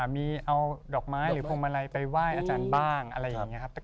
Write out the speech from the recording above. มีเอาดอกไม้หรือพวงมาลัยไปไหว้อาจารย์บ้างอะไรอย่างนี้ครับ